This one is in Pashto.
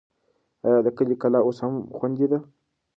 آیا د کلي کلا اوس هم خوندي ده؟